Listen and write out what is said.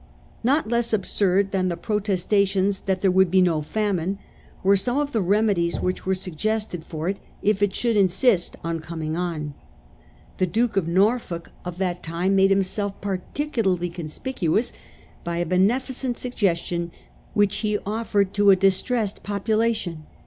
Not less absurd than the protestations that there would be no famine, were some of the remedies which were suggested for it if it should insist on coming in. The Duke of Norfolk of that time made himself particularly conspicuous by a beneficent sug gestion which he offered to a distressed population.